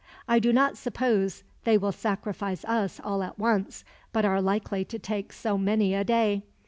I do not suppose they will sacrifice us all at once, but are likely to take so many a day.